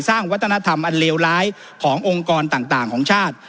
สร้างวัฒนธรรมอันเลวร้ายขององค์กรต่างของชาติ